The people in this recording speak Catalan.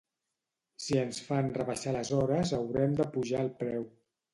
Si ens fan rebaixar les hores haurem d'apujar el preu